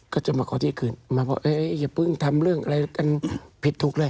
ก็จะมาขอที่คืนมาบอกอย่าเพิ่งทำเรื่องอะไรกันผิดถูกเลย